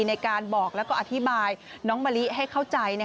ในการบอกแล้วก็อธิบายน้องมะลิให้เข้าใจ